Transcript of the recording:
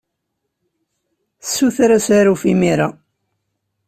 Ssuter asaruf imir-a.